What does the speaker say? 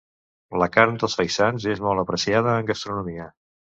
La carn dels faisans és molt apreciada en gastronomia.